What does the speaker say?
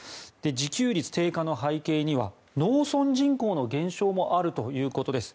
自給率低下の背景には農村人口の減少もあるということです。